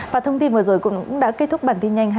và thông tin vừa rồi cũng đã kết thúc bản tin nhanh hai mươi